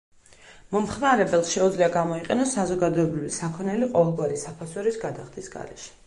მომხმარებელს შეუძლია გამოიყენოს საზოგადოებრივი საქონელი ყოველგვარი საფასურის გადახდის გარეშე.